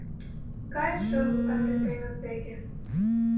Кайыш шоҥго канде теҥыз деке